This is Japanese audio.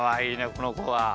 このこは。